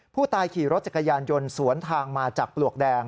ผู้ตายขี่รถจักรยานยนต์สวนทางมาจากปลวกแดง